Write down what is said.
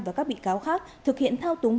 và các bị cáo khác thực hiện thao túng